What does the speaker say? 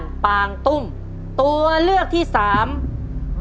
จิตตะสังวโรครับ